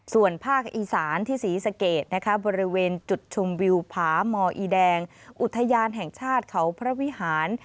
ส่วนภาคอีสานที่ศรีสะเกดนะคะบริเวณจุดชมวิวผามอีแดงอุทยานแห่งชาติเขาพระวิหาร